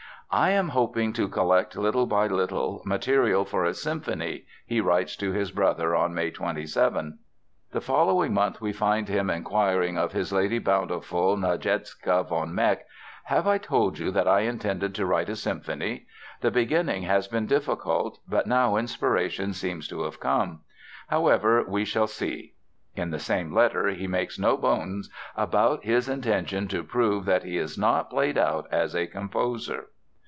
"I am hoping to collect, little by little, material for a symphony," he writes to his brother on May 27. The following month we find him inquiring of his lady bountiful, Nadezhka von Meck: "Have I told you that I intended to write a symphony? The beginning has been difficult; but now inspiration seems to have come. However, we shall see." In the same letter he makes no bones about his intention to prove that he is not "played out as a composer."